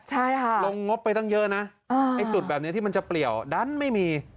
ใช่ค่ะลงงบไปเยอะนะตุดแบบนี้ที่จะเปรียวดันไม่มี